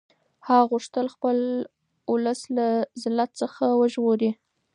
هغه غوښتل خپل اولس له ذلت څخه وژغوري.